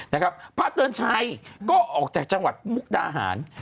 นะครับพระเตือนชัยก็ออกจากจังหวัดมุกดาหาร